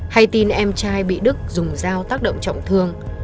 hay tin em trai bị đức dùng dao tác động trọng thương